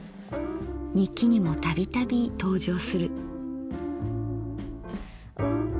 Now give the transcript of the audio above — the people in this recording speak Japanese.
日記にも度々登場する。